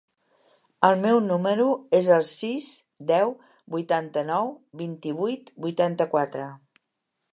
El meu número es el sis, deu, vuitanta-nou, vint-i-vuit, vuitanta-quatre.